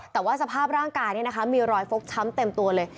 แต่ว่าสภาพร่างกายมีรอยฟกช้ำเต็มตัวเลย